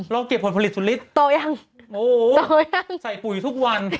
เก็บผลผลิตสุดลิตรโตยังโอ้โหโตยังใส่ปุ๋ยทุกวัน